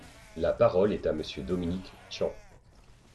La parole est à Monsieur Dominique Tian.